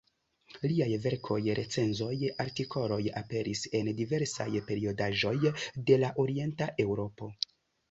Liaj verkoj, recenzoj, artikoloj aperis en diversaj periodaĵoj de la Orienta Eŭropo.